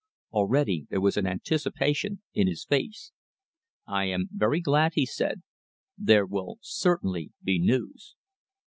Already there was anticipation in his face. "I am very glad," he said. "There will certainly be news."